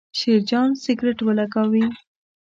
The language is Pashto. شیرجان سګرېټ ولګاوې.